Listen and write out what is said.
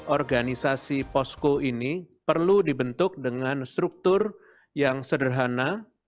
organisasi posko ini perlu dibentuk dengan struktur yang sederhana